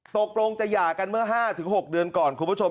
ตกลงจะหย่ากันเมื่อ๕๖เดือนก่อนคุณผู้ชม